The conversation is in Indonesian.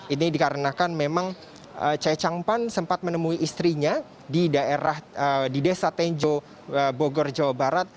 ini dikarenakan memang chai chang pan sempat menemui istrinya di desa tenjo bogor jawa barat